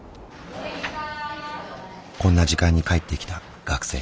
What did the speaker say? こんな時間に帰ってきた学生。